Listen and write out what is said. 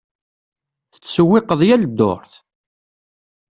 Tettsewwiqeḍ yal ddurt?